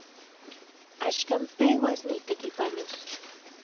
Axkan peuas nitekipanos.